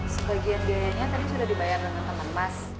sebagian biayanya tadi sudah dibayar oleh teman mas